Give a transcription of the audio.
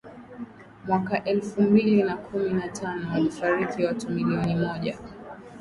mwaka elfu mbili na kumi na tano walifariki watu milioni moja